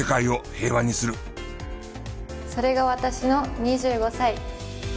それが私の２５歳。